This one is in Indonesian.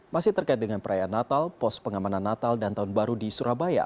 masih terkait dengan perayaan natal pos pengamanan natal dan tahun baru di surabaya